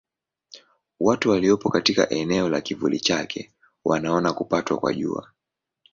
Watu waliopo katika eneo la kivuli chake wanaona kupatwa kwa Jua.